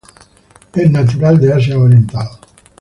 Es natural de Asia oriental.